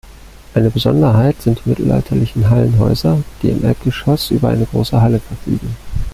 Eine Besonderheit sind die mittelalterlichen Hallenhäuser, die im Erdgeschoss über eine große Halle verfügen.